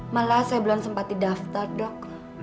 malah saya belum sempat didaftar dok